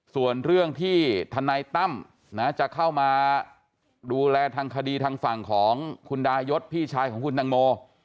ส่วนเรื่องที่ทนายตั้มจะเข้ามาดูแลทางคดีทางฝั่งของคุณดายศพี่ชายของคุณตังโม